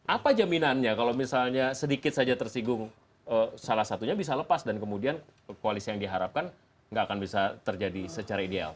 apa jaminannya kalau misalnya sedikit saja tersinggung salah satunya bisa lepas dan kemudian koalisi yang diharapkan nggak akan bisa terjadi secara ideal